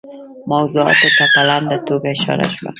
موضوعاتو ته په لنډه توګه اشاره شوه.